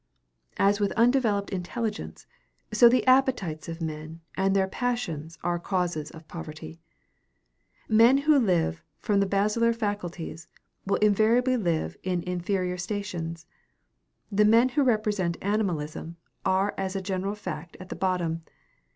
As with undeveloped intelligence, so the appetites of men and their passions are causes of poverty. Men who live from the basilar faculties will invariably live in inferior stations. The men who represent animalism are as a general fact at the bottom.